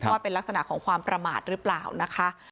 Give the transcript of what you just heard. ว่าเป็นลักษณะของความประมาทหรือเปล่านะคะ